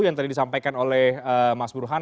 yang tadi disampaikan oleh mas burhan